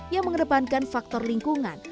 yang mengedepankan faktor lingkungan